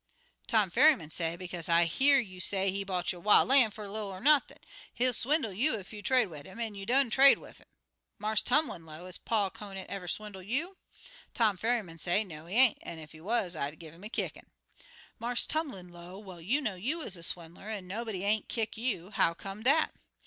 Tom Ferryman say, 'Bekaze I hear you say he bought yo' wil' lan' fer a little er nothin'. He'll swindle you ef you trade wid 'im, an' you done trade wid 'im.' Marse Tumlin low, 'Is Paul Conant ever swindle you?' Tom Ferryman say, 'No, he ain't, an' ef he wuz ter I'd give 'im a kickin'.' Marse Tumlin low, 'Well, you know you is a swindler, an' nobody ain't kick you. How come dat?'